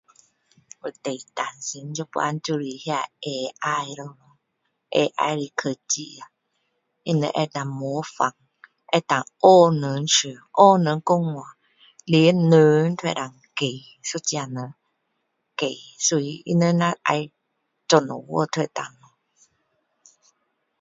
我最担心现在那 AI 咯 AI 的科技啊他们能够模仿学人样学人讲话连人都可以改一个人改他们若要要做什么都可以哦